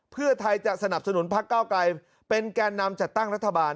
เพื่อไทยจะสนับสนุนพักเก้าไกรเป็นแก่นำจัดตั้งรัฐบาล